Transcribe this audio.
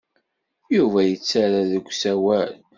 Yuba yettarra deg usawal.